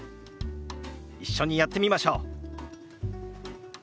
一緒にやってみましょう。